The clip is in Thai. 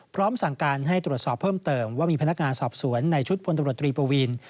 พร้อมสั่งการให้ตรวจสอบเพิ่มเติมว่ามีพนักงานสอบสวนในชุดพลตำรวจตรีปวีน